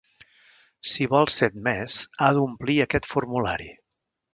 Si vol ser admès, ha d'omplir aquest formulari.